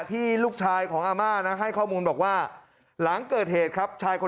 ที่ลูกชายของอาม่านะให้ข้อมูลบอกว่าหลังเกิดเหตุครับชายคน